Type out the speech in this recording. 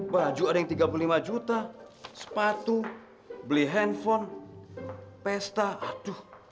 baju ada yang tiga puluh lima juta sepatu beli handphone pesta aduh